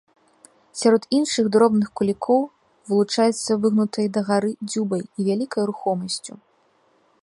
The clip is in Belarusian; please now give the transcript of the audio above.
Сярод іншых дробных кулікоў вылучаецца выгнутай дагары дзюбай і вялікай рухомасцю.